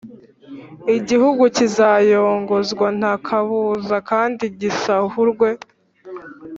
igihugu kizayogozwa nta kabuza kandi gisahurwe